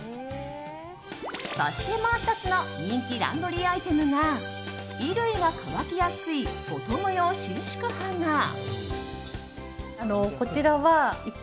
そして、もう１つの人気ランドリーアイテムが衣類が乾きやすいボトム用伸縮ハンガー。